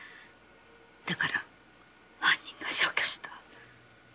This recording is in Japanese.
だから犯人が消去した。